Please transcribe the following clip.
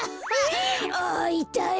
あいたい！